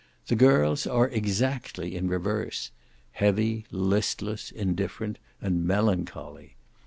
The girls are exactly in reverse; heavy, listless, indifferent, and melancholy.